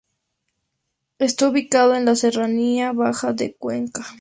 Está ubicado en la Serranía Baja de Cuenca.